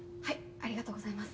ありがとうございます。